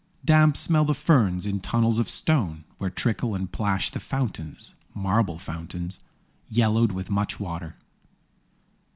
Damp smell the ferns in tunnels of stone, Where trickle and plash the fountains, Marble fountains, yellowed with much water.